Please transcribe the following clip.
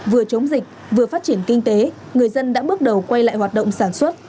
vừa chống dịch vừa phát triển kinh tế người dân đã bước đầu quay lại hoạt động sản xuất